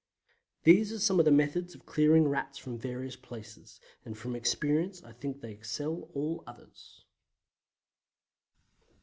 These are some of the methods of clearing Rats from various places, and from experience I think they excel all others.